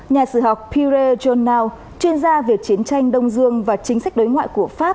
nhà sử học pierre jonnau chuyên gia về chiến tranh đông dương và chính sách đối ngoại của pháp